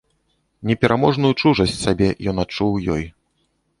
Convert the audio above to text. Непераможную чужасць сабе ён адчуў у ёй.